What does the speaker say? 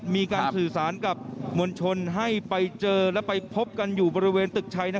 มีการสื่อสารกับมวลชนให้ไปเจอและไปพบกันอยู่บริเวณตึกชัย